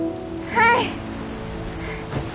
はい。